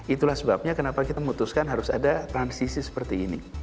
itulah sebabnya kenapa kita memutuskan harus ada transisi seperti ini